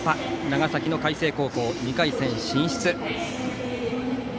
長崎の海星高校、２回戦進出。